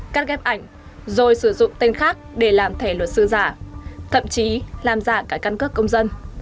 cắt ghép ảnh rồi sử dụng tên khác để làm thẻ luật sư giả thậm chí làm giả cả căn cước công dân